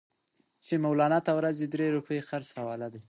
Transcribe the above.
چې مولنا ته د ورځې درې روپۍ خرڅ حواله دي.